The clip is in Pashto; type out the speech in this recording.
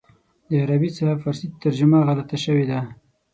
د عربي څخه فارسي ترجمه غلطه شوې ده.